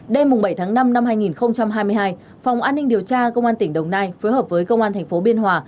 đêm bảy tháng năm năm hai nghìn hai mươi hai phòng an ninh điều tra công an tỉnh đồng nai phối hợp với công an tp biên hòa